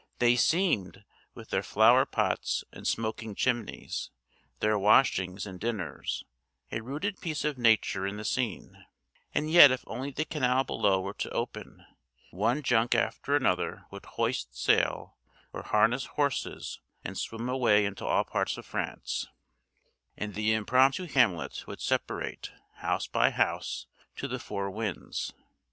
They seemed, with their flower pots and smoking chimneys, their washings and dinners, a rooted piece of nature in the scene; and yet if only the canal below were to open, one junk after another would hoist sail or harness horses and swim away into all parts of France; and the impromptu hamlet would separate, house by house, to the four winds.